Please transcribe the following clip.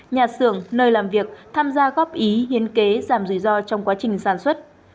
nhà xưởng nơi làm việc tham gia góp ý hiến kế giảm rủi ro trong quá trình sản xuất